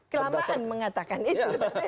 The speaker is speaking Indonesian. kelamaan mengatakan itu